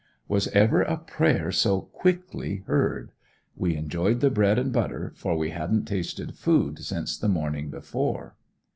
Was ever a prayer so quickly heard? We enjoyed the bread and butter, for we hadn't tasted food since the morning before.